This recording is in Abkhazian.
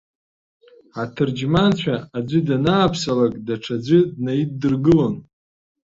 Аҭырџьманцәа аӡәы данааԥсалак, даҽаӡәы днаиддыргылон.